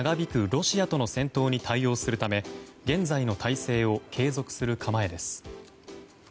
ロシアとの戦闘に対応するため現在の体制を継続する構えです。